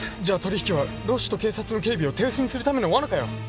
じゃあ取引はロッシと警察の警備を手薄にするためのわなかよ？